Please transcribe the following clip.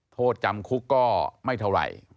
โทษจำคุกก็ไม่เท่าไหร่